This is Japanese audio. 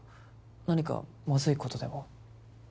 何かまずいことでも？